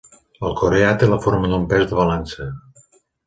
El coreà té la forma d'un pes de balança.